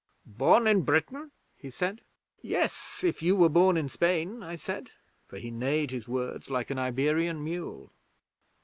'"Born in Britain?" he said. '"Yes, if you were born in Spain," I said, for he neighed his words like an Iberian mule.